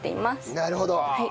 なるほど。